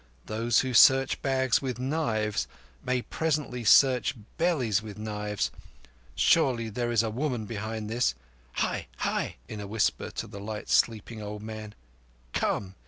Those who search bags with knives may presently search bellies with knives. Surely there is a woman behind this. Hai! Hai! in a whisper to the light sleeping old man. "Come.